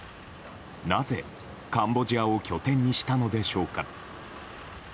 なぜ、カンボジアを拠点にしたのでしょうか。